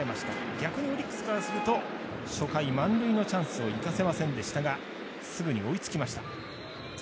逆に、オリックスからすると初回、満塁のチャンスを生かせませんでしたがすぐに追いつきました。